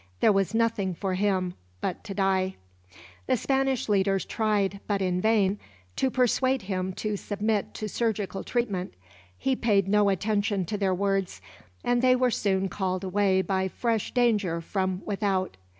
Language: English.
There was nothing for him but to die. The Spanish leaders tried, but in vain, to persuade him to submit to surgical treatment. He paid no attention to their words, and they were soon called away by fresh danger from without.